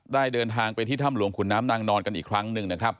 เดินทางไปที่ถ้ำหลวงขุนน้ำนางนอนกันอีกครั้งหนึ่งนะครับ